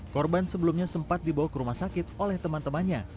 korban sebelumnya sempat dibawa ke rumah sakit oleh teman temannya